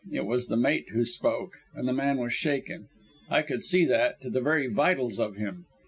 It was the mate who spoke, and the man was shaken I could see that to the very vitals of him.